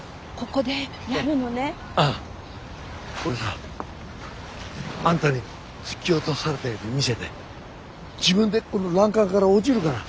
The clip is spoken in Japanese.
ここでさあんたに突き落とされたように見せて自分でこの欄干から落ちるから。